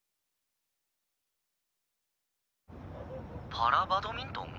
パラバドミントン？